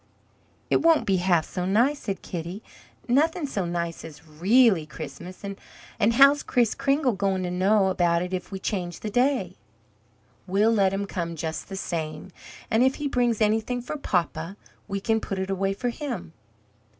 "It won't be half so nice," said Kitty, "nothing's so nice as REALLY Christmas, and how's Kriss Kringle going to know about it if we change the day?" "We'll let him come just the same, and if he brings anything for papa we can put it away for him."